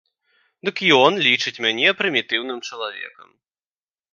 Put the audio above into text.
Дык ён лічыць мяне прымітыўным чалавекам.